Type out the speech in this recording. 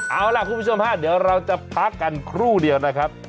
เอาล่ะคุณผู้ชมฮะเดี๋ยวเราจะพักกันครู่เดียวนะครับ